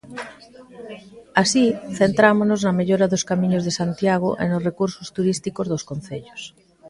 Así, centrámonos na mellora dos camiños de Santiago e nos recursos turísticos dos concellos.